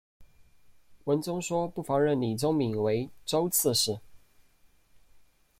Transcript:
文宗说不妨任李宗闵为州刺史。